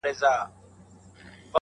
موج دي کم دریاب دي کم نهنګ دي کم!!..